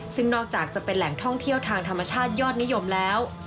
ซึ่งนอกจากจะเป็นแหล่งท่องเที่ยวทางธรรมชาติยอดนิยมแล้ว